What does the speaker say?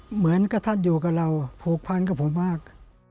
เหมือนกับท่านอยู่กับเราผูกพันกับผมมาก